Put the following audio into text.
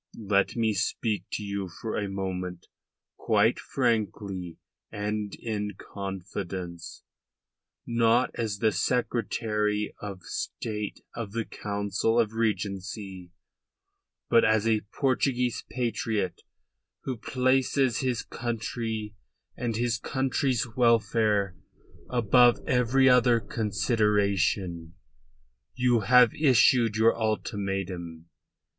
"Let me speak to you for a moment quite frankly and in confidence, not as the Secretary of State of the Council of Regency, but as a Portuguese patriot who places his country and his country's welfare above every other consideration. You have issued your ultimatum.